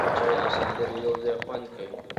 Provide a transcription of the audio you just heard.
چای او سندرې یو ځای خوند کوي.